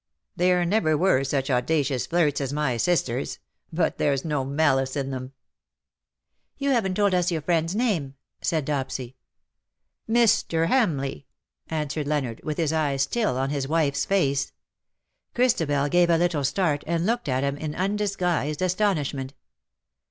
^' There never were such audacious flirts as my sisters ; but there's no malice in them.'^ THAT THE DAY WILL END." 200 ^' You haven^t told us your friend^s name/^ said Dopsy. '^Mr. Hamleigh/^ answered Leonard, with his eyes still on his wife^s face. Christabel gave a little start, and looked at him in undisguised astonishment.